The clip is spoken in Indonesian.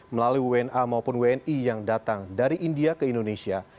melalui wna maupun wni yang datang dari india ke indonesia